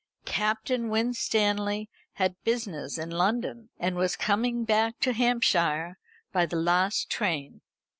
Captain Winstanley had business in London, and was coming back to Hampshire by the last train.